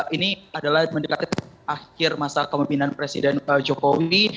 ini adalah mendekati akhir masa kemimpinan presiden jokowi